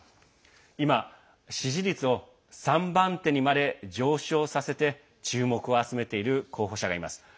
今、支持率を３番手にまで上昇させて注目を集めている候補者がいます。